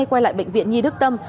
quay lại bệnh viện nhi đức tâm